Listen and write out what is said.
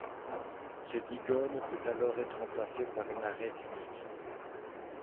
Ce digone peut alors être remplacé par une arête unique.